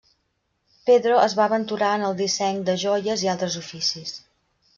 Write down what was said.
Pedro es va aventurar en el disseny de joies i altres oficis.